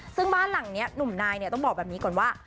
ซึ่งบ้านหลังนี้หนุ่มนายเนี่ยต้องบอกแบบนี้ก่อนว่า